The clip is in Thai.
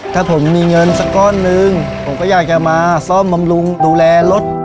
ถ้าผมมีเงินสักก้อนหนึ่งผมก็อยากจะมาซ่อมบำรุงดูแลรถ